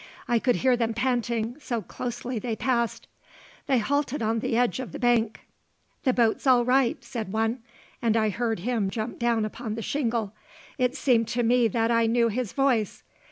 I could hear them panting, so closely they passed. They halted on the edge of the bank. "The boat's all right," said one; and I heard him jump down upon the shingle. It seemed to me that I knew his voice.